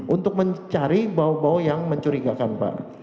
untuk mencari bau bau yang mencurigakan pak